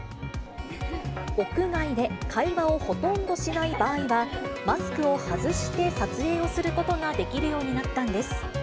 屋外で会話をほとんどしない場合は、マスクを外して撮影をすることができるようになったんです。